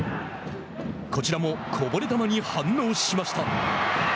こちらもこぼれ球に反応しました。